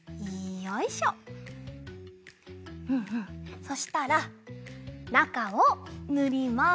そしたらなかをぬります！